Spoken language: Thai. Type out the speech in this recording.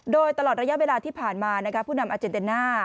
โดยตลอดระยะเวลาที่ผ่านมาผู้นำอาเจนเดน่า